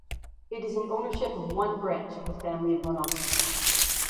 It is in ownership of one branch of the family of Lonovski.